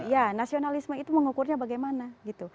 ya nasionalisme itu mengukurnya bagaimana gitu